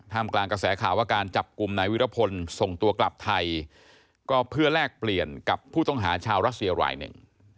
มกลางกระแสข่าวว่าการจับกลุ่มนายวิรพลส่งตัวกลับไทยก็เพื่อแลกเปลี่ยนกับผู้ต้องหาชาวรัสเซียรายหนึ่ง